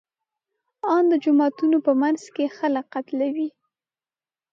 ان د جوماتونو په منځ کې خلک قتلوي.